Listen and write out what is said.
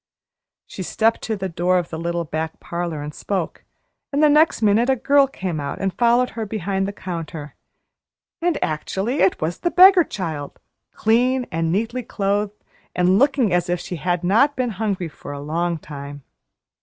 She stepped to the door of the little back parlor and spoke; and the next minute a girl came out and followed her behind the counter. And actually it was the beggar child, clean and neatly clothed, and looking as if she had not been hungry for a long time.